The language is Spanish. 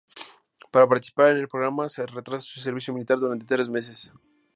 Para participar en el programa se retrasa su servicio militar durante tres meses.